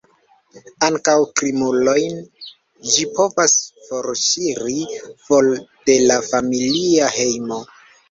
Ankaŭ krimulojn ĝi povas forŝiri for de la familia hejmo.